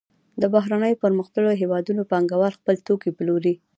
د بهرنیو پرمختللو هېوادونو پانګوال خپل توکي پلوري